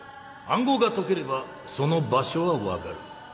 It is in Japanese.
暗号が解ければその場所は分かる。